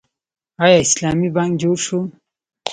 آیا اسلامي بانک جوړ شو؟